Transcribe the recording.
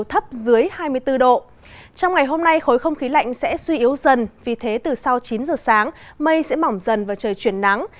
trong ngày hôm nay khối không khí lạnh sẽ suy yếu dần vì thế từ sau chín giờ sáng mây sẽ mỏng dần và trời chuyển nắng